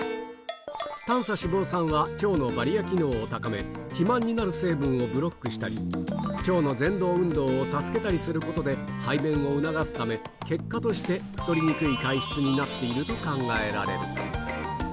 短鎖脂肪酸は腸のバリア機能を高め、肥満になる成分をブロックしたり、腸のぜん動運動を助けたりすることで、排便を促すため、結果として太りにくい体質になっていると考えられる。